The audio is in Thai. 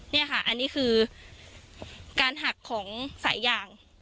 นี่ค่ะอันนี้คือการหักของสายยาง